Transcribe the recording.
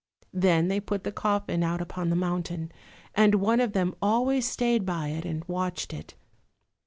Then they put the coffin out upon the mountain, and one of them always stayed by it and watched it.